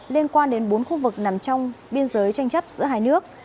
liên quan đến bốn khu vực nằm trong biên giới tranh chấp giữa hai nước